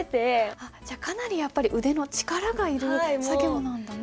あっじゃあかなりやっぱり腕の力がいる作業なんだね。